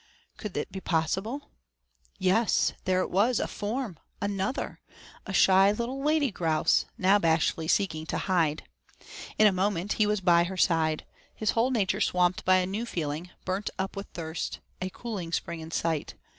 Could it be possible? Yes! there it was a form another a shy little lady grouse, now bashfully seeking to hide. In a moment he was by her side. His whole nature swamped by a new feeling burnt up with thirst a cooling spring in sight.